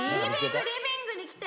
リビングに来て！